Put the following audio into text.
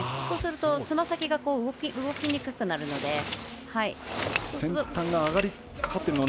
そうすると、つま先が動きにくくなるので。